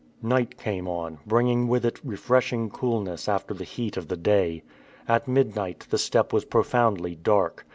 Night came on, bringing with it refreshing coolness after the heat of the day. At midnight the steppe was profoundly dark.